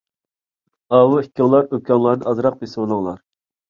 ئاۋۇ ئىككىڭلار ئۆپكەڭلارنى ئازراق بېسىۋېلىڭلار.